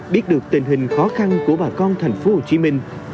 biết được tình hình khó khăn của bà con thành phố hồ chí minh